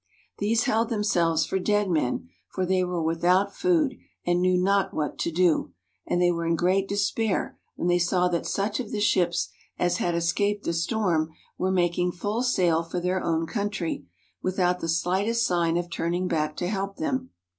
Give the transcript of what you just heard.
These held themselves for dead men, for they were with out food, and knew not what to do, and they were in great despair when they saw that such of the ships as had escaped the storm were making full sail for their own country, with out the slightest sign of turning back to help them.